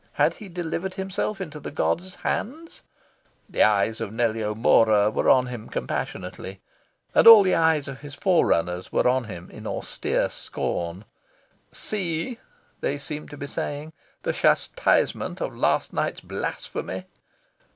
Had he delivered himself into the gods' hands? The eyes of Nellie O'Mora were on him compassionately; and all the eyes of his forerunners were on him in austere scorn: "See," they seemed to be saying, "the chastisement of last night's blasphemy."